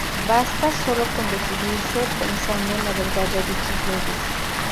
Basta sólo con decidirse, pensando en la verdad de dichas leyes.